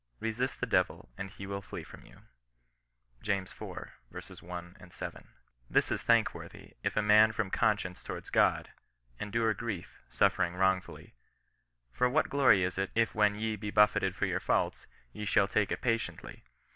Resist the devil, and he will flee from you." lb. iv. 1, 7. " This is thank worthy, if a man for conscience towards God, endure grief, suffering wrongfully. For what glory is 4t, if when ye be buffeted for your faults, ye shall take it patiently